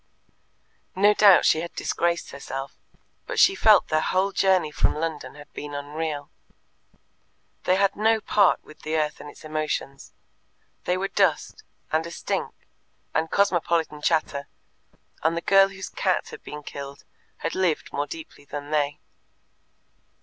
No doubt she had disgraced herself. But she felt their whole journey from London had been unreal. They had no part with the earth and its emotions. They were dust, and a stink, and cosmopolitan chatter, and the girl whose cat had been killed had lived more deeply than they.